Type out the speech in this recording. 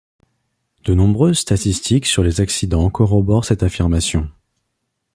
De nombreuses statistiques sur les accidents corroborent cette affirmation.